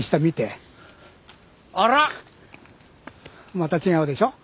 また違うでしょ？